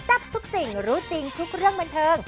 ทับทุกสิ่งรู้จริงทุกเรื่องบันเทิง